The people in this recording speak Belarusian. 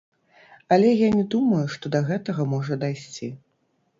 Але я не думаю, што да гэтага можа дайсці.